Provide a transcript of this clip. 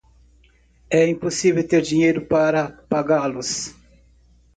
É impossível ter dinheiro para pagá-los